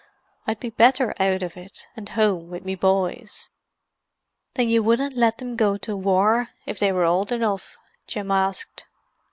"I'd be better out of it, and home with me boys." "Then you wouldn't let them go to the war, if they were old enough?" Jim asked.